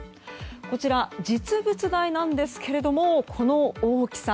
こちら、実物大なんですけれどもこの大きさ。